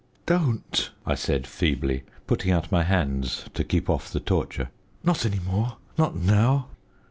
"Don't!" I said feebly, putting out my hands to keep off the torture; "not any more, not now."